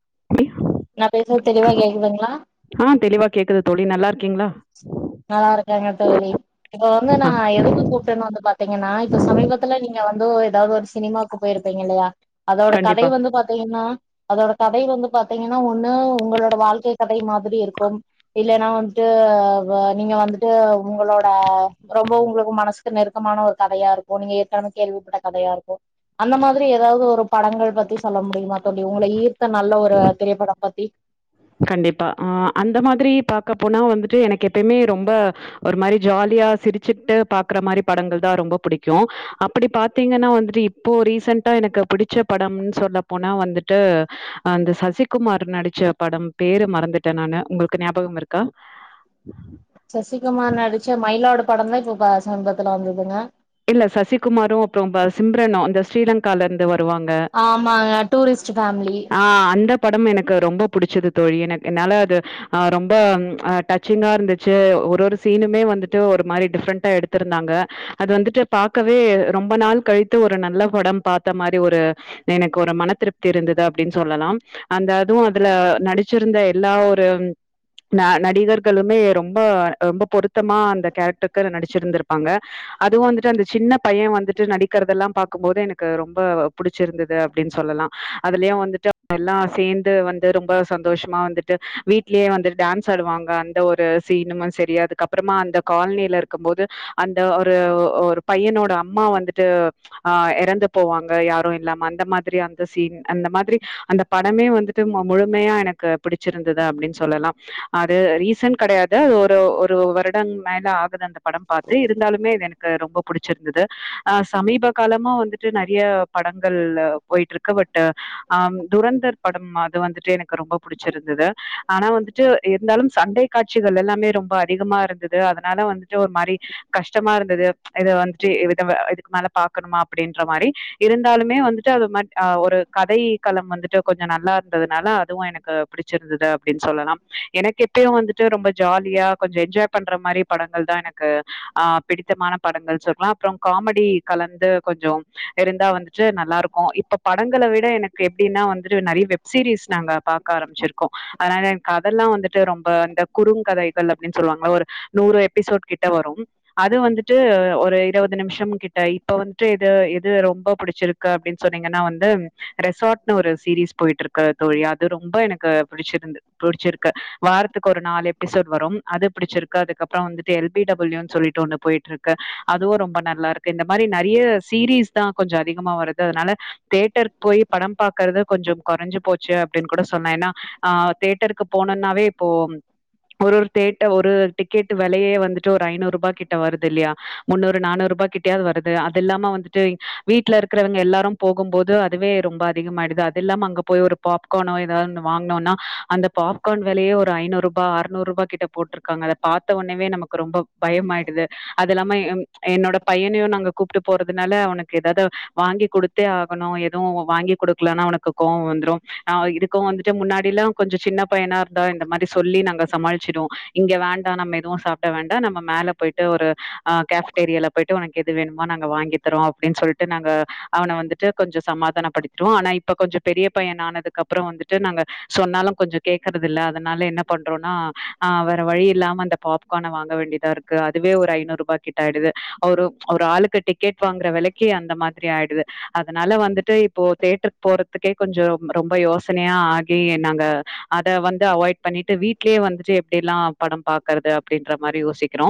[inaudible] நா பேசுறது தெளிவா கேக்குதுங்களா ஆ தெளிவா கேக்குது தோழி நல்லா இருக் நல்லா இருக்கேங்க தோழி இப்ப வந்து நா ஆ எதுக்கு கூப்ட்டேன்னு வந்து பாத்தீங்கன்னா இப்ப சமீபத்துல நீங்க வந்து ஏதாவது ஒரு சினிமாக்கு போயிருப்பீங்க இல்லையா அதோட கதை கண்டிப்பா வந்து பாத்தீங்கன்னா அதோட கதைய வந்து பாத்தீங்கன்னா ஒண்ணு உங்களோட வாழ்க்கை கதை மாதிரி இருக்கும் இல்லேன்னா வந்து ட்டு் நீங்க வந்துட்டு உங்களோட ரொம்ப உங்களுக்கு மனசுக்கு நெருக்கமான ஒரு கதையா இருக்கு நீங்க ஏற்கனவே கேள்விப்பட்ட கதையா இருக்கு அந்த மாதிரி ஏதாவது ஒரு படங்கள் பத்தி சொல்ல முடியுமா தோழி உங்களை ஈர்த்த நல்ல ஒரு திரைப்படம் பத்தி கண்டிப்பா ஆ அந்த மாதிரி பாக்க போனா வந்துட்டு எனக்கு எப்பயுமே ரொம்ப ஒரு மாரி ஜாலியா சிரிச்சுட்டு பாக்குற மாரி படங்கள் தா ரொம்ப பிடிக்கு அப்டி பாத்தீங்கன்னா வந்துட்டு இப்போ ரீசென்ட்டா எனக்கு பிடிச்ச படம்ன்னு சொல்ல போனா வந்துட்டு அந்த சசிகுமார் நடிச்ச படம் பேரு மறந்துட்டே நானு உங்களுக்கு ஞாபகம் இருக்கா சசிகுமார் நடிச்ச மயிலாடு படந்தா இப்ப ப சமீபத்துல வந்ததுங்க இல்ல சசிகுமாரு அப்புற சிம்ரனு அந்த ஸ்ரீலங்காலிருந் ஆமாங்க டூரிஸ்ட் ஃபேமிலி ஆ அந்த படம் எனக்கு ரொம்ப புடிச்சது தோழி எனக் என்னால அது ஆ ரொம்ப ஆ டச்சிங்கா இருந்துச்சு ஒரு ஒரு சீனுமே வந்துட்டு ஒரு மாரி டிஃப்ரெண்ட்டா எடுத்திருந்தாங்க அது வந்துட்டு பாக்கவே ரொம்ப நாள் கழித்து ஒரு நல்ல படம் பாத்த மாரி ஒரு எனக்கு ஒரு மன திருப்தி இருந்தது அப்படின்னு சொல்லலாம் அந்த அதுவு அதுல நடிச்சிருந்த எல்லா ஒரு ந நடிகர்களுமே ரொம்ப ரொம்ப பொருத்தமா அந்த கேரக்டருக்கு நடிச்சிருந்திருப்பாங்க அதுவு வந்துட்டு அந்த சின்ன பைய வந்துட்டு நடிக்கிறதெல்லா பாக்கும்போது எனக்கு ரொம்ப புடிச்சிருந்தது அப்டின்னு சொல்லலா அதுலேயு வந்துட்டு எல்லா சேந்து வந்து ரொம்ப சந்தோஷமா வந்துட்டு வீட்லேயே வந்து டான்ஸ் ஆடுவாங்க அந்த ஒரு சீனுமு சரி அதுக்கப்பறமா அந்த காலனியில இருக்கும்போது அந்த து ஒரு பையனோட அம்மா வந்துட்டு ச் ஆ எறந்து போவாங்க யாரு இல்லாம அந்த மாதிரி அந்த சீன் அந்த மாதிரி அந்த படமே வந்துட்டு முழுமையா எனக்கு பிடிச்சிருந்தது அப்டின்னு சொல்லலாம் அது ரீசன் கடையாது அது ஒரு ஒரு வருடம் மேல ஆகுது அந்த படம் பாத்து இருந்தாலுமே எனக்கு ரொம்ப புடிச்சிருந்தது ஆ சமீப காலமா வந்துட்டு நெறைய படங்கள் போய்ட்டிருக்கு பட் ஆ துரந்தர் படம் அது வந்துட்டு எனக்கு ரொம்ப புடிச்சிருந்தது ஆனா வந்துட்டு இருந்தாலும் சண்டை காட்சிகள் எல்லாமே ரொம்ப அதிகமா இருந்தது அதனால வந்துட்டு ஒரு மாரி கஷ்டமா இருந் ல இது இது வந்துட்டு இதுக் [unintelligible] இதுக்கு மேல பாக்கணுமா அப்புடின்ற மாரி இருந்தாலுமே வந்துட்டு அது மாட் ஆ ஒரு கதைக் களம் வந்துட்டு கொஞ்சோ நல்லா இருந்ததுனால அதுவும் எனக்கு பிடிச்சிருந்துது அப்புடின் சொல்லலாம் எனக் இப்பயும் வந்துட்டு ரொம்ப ஜாலியா கொஞ்ச என்ஜாய் பண்ற மாரி படங்கள் தா எனக்கு ஆ பிடித்தமான படங்கள் சொல்லா அப்புறம் காமெடி கலந்து கொஞ்சோம் இருந்தா வந்துட்டு நல்லாருக்கும் இப்ப படங்கள விட எனக்கு எப்டின்னா வந்துட்டு நறைய வெப் சீரீஸ் நாங்க பாக்க ஆரம்ச்சிருக்கோம் அதனால எனக் அதல்லா வந்துட்டு ரொம்ப இந்த குறுங் கதைகள் அப்புடின்னு சொல்வாங்கல்ல ஒரு நூறு எப்பிசோட் கிட்ட வரும் அது வந்துட்டு ஒரு இருவது நிம்ஷம் கிட்ட இப்போ வந்த்ட்டு இது இது ரொம்ப புடிச்சிருக்கு அப்புடின் சொன்னிங்கன்னா வந்து ரெசார்ட்ன்னு ஒரு சீரீஸ் போயிட்ருக்கு தோழி அத் து ரொம்ப எனக்கு பிடிச்சிருந்து பிடிச்சிருக்கு வாரத்துக்கு ஒரு நாலு எப்பிசோட் வரும் அது புடிச்சிருக்கு அதுக்கப்புறம் வந்துட்டு எல் பி டபள்யூ னு சொல்லிட் போயிட்ருக்கு அதுவு ரொம்ப நல்லாருக்கு இந்த மாரி நெறைய சீரீஸ்தா கொஞ்ச அதிகமா வருது அதனால தியேட்டருக் போயி படம் பாக்கறது கொஞ்சம் கொறஞ்சு போச் சு அப்டின் கூட சொன்னா ஏனா ஆ தேட்டருக்கு போனன்னாவே இப்போ ம் ஒரு ஒர் தேட்ட ஒரு டிக்கெட் வெலையே வந்துட்டு ஒரு ஐநூறுபா கிட் ட வருது இல்லியா முன்னூறு நானூறூபா கிட்டயாவுது வருது அதில்லாம வந்துட்டு வீட்ல இருக்கிறவங்க எல்லாரும் போகும் போது அதுவே ரொம்ப அதிகமாயிடுது அதில்லாம அங்க போய் ஒரு பாப்க்கார்னோ எதோ ஒன்னு வாங்னோனா அந்த பாப்க்கார்ன் வெலையே ஒரு ஐநூறுபா ஆறுநூறுபா கிட்ட போட்ருக்காங்க அத பாத்த ஒன்னேவே நமக்கு ரொம்ப பயம் ஆயிடுது அதில்லாம எங் என்னோட பையனையு நாங்க கூப்ட்டு போறதுனால அவனுக் எதாது வாங்கி குடுத்தே ஆகணு எதுவு வாங்கி குடுக் க்லனா அவனுக்கு கோவ வந்துரு ஆ இதுக்கு வந்துட்டு முன்னாடில்லா கொஞ்ச சின்ன பையனாருந்தா இந்த மாரி சொல்லி நாங்க சமாளிச்சிடுவோ இங்க வேண்டா நம்ம எதுவு சாப்ட வேண்டா நம்ம மேல போயிட் டு ஒரு ஆ கேஃப்டேரியில போயிட்டு வாங் எது வேணுமோ நாங்க வாங்கி தரோ அப்டின் சொல்ட்டு நாங்க அவன வந்துட்டு கொஞ்ச சமாதான படுத்துவோ ஆனா இப்ப கொஞ்ச பெரிய பையன் ஆனதுக்கு அப்புற வந்துட்டு நாங்க சொன்னாலு கொஞ்ச கேக்குறது இல்ல அதனால என்ன பண்றோனா ஆ வேற வழி இல்லாம அந்த பாப்க்கார்ன வாங்க வேண்டிதாருக்கு அதுவே ஒரு ஐநூறுபா கிட்ட ஆயிடுது ஒரு ஒரு ஆளுக்கு டிக்கெட் வாங்குற வெலைக்கி அந்த மாதிரி ஆயிடுது அதனால வந்துட்டு இப்போ தேட்டர்க் போறதுக்கே கொஞ்சோ ரொம்ப யோசனையா ஆகி நாங்க அத வந்து அவாய்ட் பண்ணிட்டு வீட்லயே வந்துட்டு எப்டிலா படம் பாக்கறது அப்டின்ற மாரி யோசிக்குறோ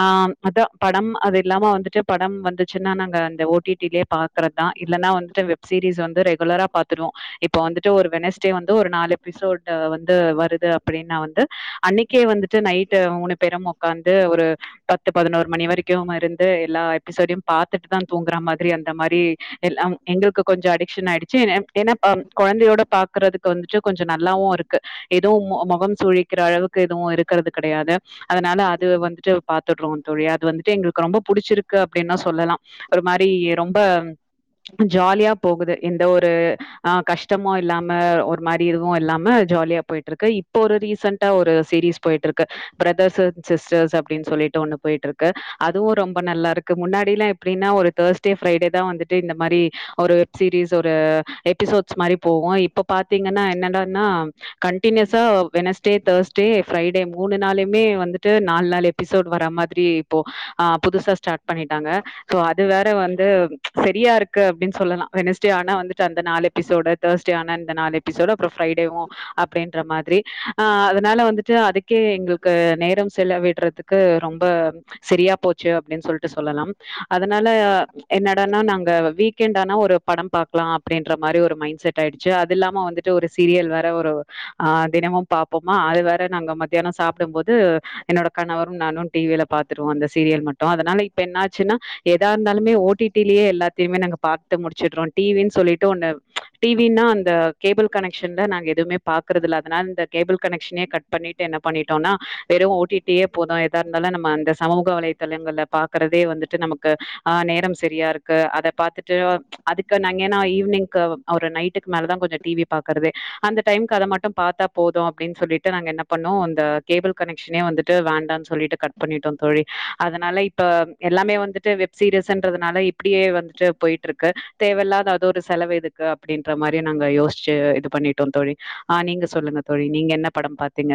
ஆ அதா படம் அதில்லாம வந்துட்டு படம் வந்துச்சுன்னா நாங்க அந்த ஓ டி டி லயே பாக்கறதுதா இல்லனா வந்துட்டு வெப் சீரீஸ் வந்து ரெகுலரா பாத்துருவோ இப்ப வந்துட்டு ஒரு வெனஸ்டே வந்து ஒரு நாலு எபிசோட் வந்து வருது அப்பிடின்னா வந்து அன்னிக்கே வந்துட்டு நைட்டு மூணு பேரும் ஒக்காந்து ஒரு பத்து பதினோர் மணி வரைக்கு இருந்து எல்லா எப்பிசோடயு பாத்துட்டுதா தூங்கறா மாதிரி அந்த மாரி எல்ல எங்களுக்கு கொஞ்ச அடிக்க்ஷன் ஆயிடுச்சு ஏனா ஏன்னா ஆ ப் கொழந்தையோட பாக்குறதுக்கு வந்துட்டு கொஞ்ச நல்லாவு இருக் கு எதுவு மொ மொகம் சுழிக்கிற அளவுக்கு எதுவு இருக்கிறது கெடையாது அதனால அது வந்துட்டு பாத்தர்றோ தோழி அது வந்துட்டு எங்களுக்கு ரொம்ப புடிச்சிருக் க்கு அப்டின்லா சொல்லலா ஒரு மாரி ரொம்ப ஜாலியா போகுது எந்த ஒரு ஆ கஷ்டமோ இல்லாம ஒர் மாரி இதுவு இல்லாம ஜாலியா போயிட்ருக்கு இப்ப ஒரு ரீசன்ட்டா ஒரு சிரீஸ் போயிட்ருக்கு பிரதர்ஸ் அண்ட் சிஸ்டர்ஸ் அப் டின் சொல்லிட்டு ஒன்னு போய்ட்ருக்கு அதுவு ரொம்ப நல்லாருக்கு முன்னாடிலா எப்டின்னா ஒரு தேர்ஸ்டே ஃப்ரைடே தா வந்துட்டு இந்த மாரி ஒரு சீரீஸ் ஒரு எபிசோட் மாரி போகு இப்ப பாத்திங்கனா என்னடான்னா கண்டினியுஸா வெட்னஸ் டே தேர்ஸ்டே ஃபிரைடே மூணு நாளுமே வந்துட்டு நால் நாலு பிசோடு வர மாதிரி இப்போ ஆ புதுசா ஸ்டார்ட் பண்ணிட்டாங்க சோ அது வேற வந்து ம்ச் செரியாருக்கு அப்டின் சொல்லலா வெனஸ்டே ஆனா வந்துட்டு அந்த நாள் எப்பிசோடு தேர்ஸ்டே ஆனா அந்த நாள் எப்பிசோடு அப்புறோ ஃப்ரைடேவு அப்டின்ற மாதிரி ஆ அதனால வந்துட்டு அதுக்கே எங்ளுக்கு நேரம் செலவிட்றதுக் கு ரொம்ப செரியா போச்சு அப்டின் சொல்ட்டு சொல்லலா அதனால என்னடானா நாங்க வீக்கெண்டானா ஒரு பட பாக்கலா அப்டின்ற மாரி ஒரு மைண்ட் செட் ஆய்டுச்சு அதுல்லாம வந்துட்டு ஒரு சீரியல் வேற ஒரு ஆ தினமும் பாப்போமா அது வேற நாங்க மத்யானோ சாப்ட போது என்னோட கணவரு நானு டிவில பாத்துருவோ அந்த சீரியல் மட்டோ அதனால இப்ப என்னாச்சுனா எதாருந்தாலுமே ஓட்டிட்டிலே எல்லாத்தியுமே நாங்க பாத்து முடிச்சிட்றோ டிவின் சொல்லிட்டு ஒன்னு ம்ச் டிவினா அந்த கேபுள் கனெக்க்ஷன்ல நாங்க எதுமே பாக்குறதுல அதனா இந்த கேபிள் கனெக்க்ஷ்னே கட் பண்ணிட் என்ன பண்ணிட்டோனா வெறு ஓட்டிட்டியே போது எதா ருந்தாலு நம்ம அந்த சமூக வலைத்தளங்கல்ல பாக் கறதே வந்துட்டு நமக்கு ஆ நேரம் செரியாருக்கு அத பாத்துட்டு அதுக்கு நாங் எனா ஈவினிங்க்கு ஒரு நைட்டுக்கு மேல தா கொஞ்ச டிவி பாக்குறதே அந்த டைம்க்கு அத மட்டு பாத்தா போது அப்டின் சொல்லிட்டு நாங்க என்ன பண்ணோ அந்த கேபுள் கனெக்க்ஷ்னே வந்து டு வேண்டான் சொல்லிட்டு கட் பண்ணிட்டோ தோழி அதனால இப்ப எல்லாமே வந்துட்டு வெப்சீரீஸ்ன்றத்னால இப்டியே வந்துட்டு போயிட்ருக்கு தேவயில்லாத அது ஒரு செலவேதுக்கு அப்டின்ற மாரி நாங்க யோசிச்சு இது பண்ணிட்டோ தோழி ஆ நீங்க சொல்லுங்க தோழி நீங்க என்ன படோ பாத்தீங்க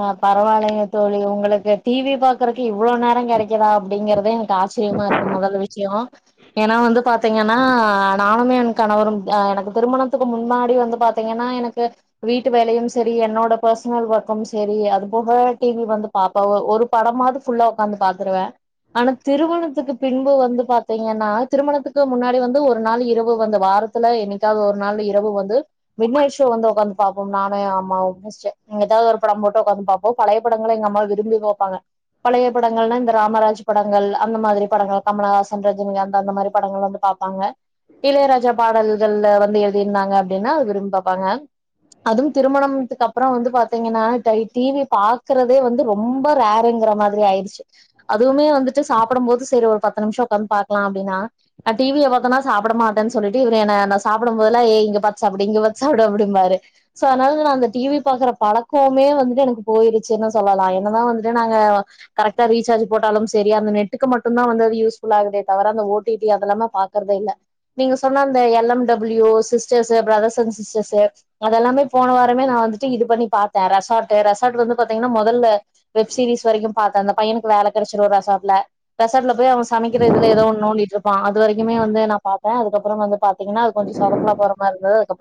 ஆ பரவால்லயே தோழி உங்களுக்கு டிவி பா றக்கு இவ்ளோ நேரோ கெடைக்கிதா அப்டிங்கிறதே எனக்காச்சியமாருக்கு மொதல விஷ்யோ ஏனா வந்து பாத்து த்திங்கனா நானுமே என் கணவரும் எனக்கு திருமணத்துக்கு முன்னாடி வந்து பாத்திங்கனா எனக்கு வீட்டு வேலையும் செரி என்னோட பர்ஸ்னல் ஒர்க் ம் சேரி அது போக டிவி வந்து பாப்போ ஒரு படமாது ஃபுல்லா ஒக்காந்து பாத்துருவே ஆனா திருமணத்துக்கு பின்பு வந்து பாத்தீங்கன்னா திருமணத்துக்கு முன்னாடி வந்து ஒரு நாள் இரவு வந்து வாரத்துல என்னிக்காவது ஒரு நாள் இரவு வந்து மிட் நைட் ஷோ வந்து ஒக்காந்து பாப்போ நானு ஏன் அம்மாவு [unintelligible] ங்கட்ட ஒரு படொ போட்டு ஒக்காந்து பாப்போ பழய படங்கள எங்கம்மா விரும்பி பாப்பாங்க பழய படங்கள்னா இந்த ராமராஜ் படங்கள் அந்த மாதிரி படங்கள் கமலஹாசன் ரஜினிகாந்த் அந்த மாதிரி படங்கள் வந்து பாப்பாங்க இளையராஜா பாடல்கள் வந்து எழுதிருந்தாங்க அப்டின்னா விரும்பி பாப்பாங்க அதுவு திருமணம்த்துக்கு அப்ற வந்து பாத்திங்கன்னா டை டிவி பாக்குறத் தே வந்து ரொம்ப ராரூங்குற மாதிரி ஆய்டிச்சு அதுவுமே வந்துட்டு சாப்படம்போது சேரி ஒரு பத் த்து நிமிஷோ உக்காந்து பாக்லா அப்டினா நா டிவிய பாத்தனா சாப்ட மாட்டே சொல்லிட்டு இவுரு என்ன நா சாப்டம்போதுலா ஏய் இங்க பாத்து சாப்டு இங்க பாத் சாப்டு அப்டிம்பாரு சோ அனால அந்த டீவீ பாக்ற பழக்கோ மே வந்துட்டு எனக்கு போயிருச்சுன்னு சொல்லலா என்னதா வந்துட்டு நாங்க கரெக்டா ரீசார்ஜ் போட்டாலு செரி அது நெட்டுக்கு மட்டு தான் அது வந்து யூஸ் ஃபுல்லாகுதே தவர அந்த ஓட்டீட்டீ அதலா பாக்குறதே இல்ல நீங்க சொன்ன அந்த L M W sisters brothers and sisters அதெல்லாமே போன வாரமே நா வந்துட்டு இது பண்ணி பாத் ரெசார்ட் ரெசார்ட் வந்து பாத்திங்னா மொதல்ல வெப்சீரிஸ் வரைக்கு பாத்த அந்த பையனுக்கு வேலை கெடச்சுரு ரெசார்ட்ல ரெசார்ட்ல போய் அவ சமைக்கிற இதுல ஏதோ நோன்டிட்டு இருப்பா அது வரைக்குமே வந்து நா பா த்த அதுக்கப்புற வந்து பாத்திங்கனா அது கொஞ்சோ சொதப்பலா போறமாரி இருந்துது அதுக்கப்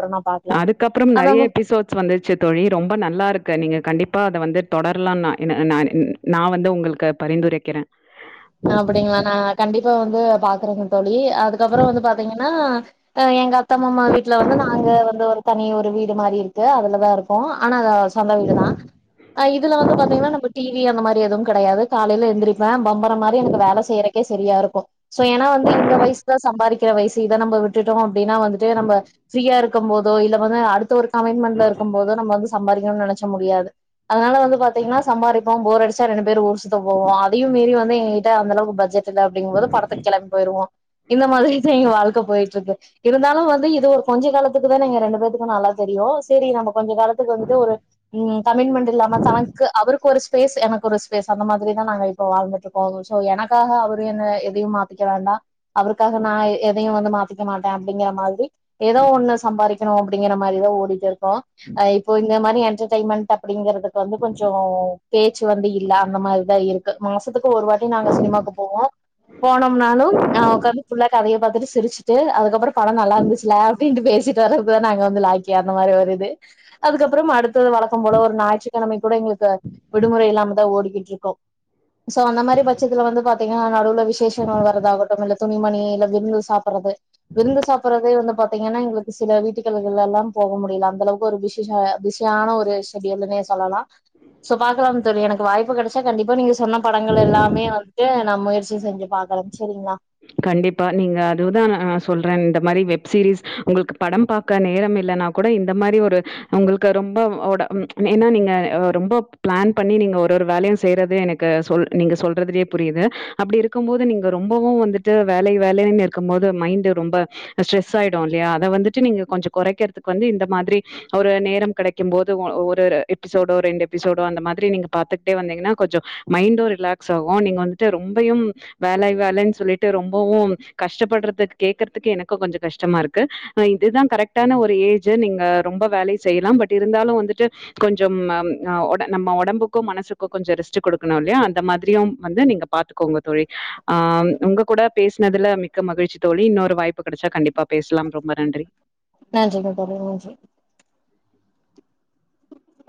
அதுக்கப்பறம் நெறையா எபிசோட்ஸ் வந்துட்ச்சு தோழி ரொம்ப நல்லாருக் கு நீங்க கண்டிப்பா அத வந்து தொடரலா நா ன்னு நான் ன் நா வந்து உங்களுக்கு பரிந்துரைக்கிறே அப்டிங்களா நா கண்டிப்பா வந்து பாக்குறேங்க தோழி அதுக்கப்புறோ வந்து பாத்தீங்கன்னா அ எங்க அத்த மாமா வீட்டுல வந்து நாங்க வந்து ஒரு தனி ஒரு வீடு மாரி இருக்கு அதுலதா இருக்கோ ஆனா சொந்த வீடுதா இதுல வந்து பாத்தீங்கன்னா நம்ம டி வி அந்த மாரி எது கெடையாது காலைல எந்திரிப்பே பம்பர மாரி எனக்கு வேலை செய்யறக்கே செரியா இருக்கு சோ ஏன வந்து இந்த வயசு தா சம்பாரிக்கிற வயசு இத நம்மா விட்டுட்டோ அப்டினா வந்துடு நம்ப ப்ரியா இருக்கு போதோ இல்ல வந்து அடுத்தொரு கமிட்மெண்ட்ல இருக்கும்போதோ நம் வந்து சம்பாரிக்கணு நென ச்சா முடியாது அதனால வந்து பாத்தீங்னா சம்பாரிப்போம் போர் அடிச்சா ரெண்டு பேர் ஊர் சுத்த போவோ அதையு மீறி வந்தி த அந்தளவு பட்ஜெட் இருந்த அப்டிங்கு போது படத்துக் கிளம்பி போயிருவோ இந்த மாதிரிதே வாழ்க போயிட்டு இருக்கு இருந்தாலு வந்து இது ஒரு கொஞ்ச காலத்துக்கு தானே நாங்க ரெண்டு பேர்த்துக்கு நல்லா தெரியு சேரி நம்ம கொஞ்ச காலத்துக்கு வந்துட்டு ஒரு ம் கமிட்மண்ட் இல்லாம தான்க்கு அவருக்கொரு பேஸ் எனக்கு ஒரு ஸ்பேஸ் அந்த மாதிரிதா நாங்க இப்போ வாழ்ந்துட்டுருக்கோ சோ எனக்காக அவரும் என்ன எதையும் மாத்திக்க வேண்டா அவருக்காக நா எதையு வந்து மாத்திக்க மாட்டே அப்படிங்கிற மாதிரி ஏதோ ஒண்ணு சம்பாரிக்குணு அப்படிங்கிற மாதிரிதா ஓடிட்டு இருக்கோ இப்போ இந்த மாரி என்டர்டெய்மெண்ட் அப்டிங்கிறதுக்கு வந்து கொஞ்சோ பேச்சு வந்து இல்ல அந்த மாரிதா இருக் கு மாசத்துக்கு ஒரு வாட் சிரிச்சிட்டு அதுக்கப்றோ பட நல்லாருந்துசுல அப்படின் பேசிட்டு பேசிட்டு வரதுக்கு தா நாங்க வந்து லாய்க்கி அந்த மாரி ஒரு இது அதுக்கப்புறம் அடுத்து வழக்கம் போல ஒரு ஞாயிற்று கிழமை கூட எங்களுக்கு விடுமுறை இல்லாமதா ஓடிக்கிட்டுருக்கோ சோ அந்த மாரி பா [unintelligible] வந்து பாத்தீங்கனா நடுவுல விசேஷங்கள் வர்றதாகட்டு இல்ல துணிமணி இல்ல விருந்து சாப்டுறது விருந்து சாப்பாட்றதே வந்து பாத்தீங்கனா எங்களுக்கு சில வீட்டுகளு எல்லாம் போக முடியல அந்த அளவுக்கு ஒரு பிசிச பிஸியானா ஒரு ஷேடுல்லுனே சொல்லலா சோ பாக்கலா தோழி எனக்கு வாய்ப்பு கிடைச்சா கண்டிப்பா நீங்க சொன்ன படங்கலெல்லாமே [unintelligible] நா முயற்சி செஞ்சு பாக்கறன் செரிங்களா கண்டிப்பா நீங்க அதுதா நா சொல்றேன் இந்த மாரி வெப்சீரிஸ் உங்களுக்கு படம் பாக்க நேரம் இல்லன்னா கூட இந்த மாரி ஒரு உங்களுக்கு ரொம்ப ஒட மெயினா நீங்க ரொம்ப பிளான் பண்ணி நீங்க ஒரு ஒரு வேலையு‌ செய்யறது எனக்கு சொல் நீங்க சொல்றதுலே புரியுது அப்படி இருக்கும் போது நீங்க ரொம்பவு வந்துட் டு வேலை வேலைன் இரு போது மைன்டு ரொம்ப ஸ்ட்ரெஸ் ஆய்டும்ல்லயா அத வந்துட்டு நீங்க கொஞ்ச குறைக்கறதுக்கு வந்து இந்த மாதிரி ஒரு நேரம் கெடைக்கும் போத ஒ ஒரு எப்பிசோடோ ரெண்டு எப்பிசோடோ அந்த மாதிரி பாத்துடே வந்தீங்கன்னா கொஞ்சம் மைண்டு ரிலாக்ஸ் ஆகும் நீங்க வந்துட்டு ரொம்பயும் வேலை வேலைன்னு சொல்லி ட்டு ரொம்பவு கஷ்டப்படுறது கேக்றதுகே எனக்கு கொஞ்ச கஷ்டமா இருக்கு இதுதான் கரெக்டான ஒரு ஏஜ் நீங்க ரொம்ப வேலயு செய்லாம் பட் இருந்தாலு வந்துட்டு கொஞ்சம் அம் அ ஓட நம்ம உடம்புக்கும் மனசுக்கு கொஞ்ச ரெஸ்ட் கொடுக்கனுல்லையா அந்த மாதிரியும் வந்து நீங்க பாத்துக்கோங்க தோழி ஆம் உங்க கூட பேஸ்னதுல மிக்க மகிழ்ச்சி தோழி இன்னொரு வாய்ப்பு கிடச்சா கண்டிப்பா பேஸ்லாம் ரொம்ப நன்றி நன்றிங்க தோழி நன்றி